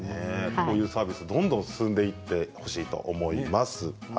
こういうサービスどんどん進んでいってほしいと思います。